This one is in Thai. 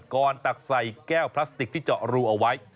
ตักใส่แก้วพลาสติกที่เจาะรูเอาไว้